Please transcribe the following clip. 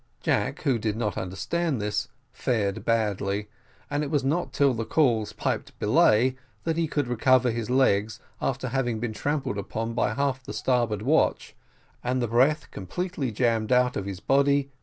Jack, who did not understand this, fared badly, and it was not till the calls piped belay, that he could recover his legs, after having been trampled upon by half the starboard watch, and the breath completely jammed out of his body.